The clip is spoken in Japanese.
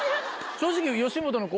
正直。